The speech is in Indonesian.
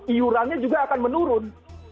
iurannya juga akan menurun